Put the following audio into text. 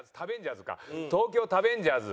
「東京食ベンジャーズ」。